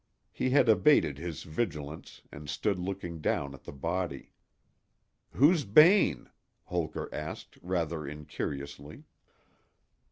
He had abated his vigilance and stood looking down at the body. "Who's Bayne?" Holker asked rather incuriously.